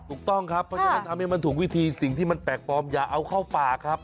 ถูกต้องครับเพราะฉะนั้นทำให้มันถูกวิธีสิ่งที่มันแปลกปลอมอย่าเอาเข้าปากครับ